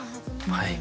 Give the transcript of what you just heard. はい。